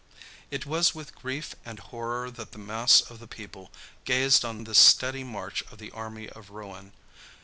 It was with grief and horror that the mass of the people gazed on this steady march of the army of ruin.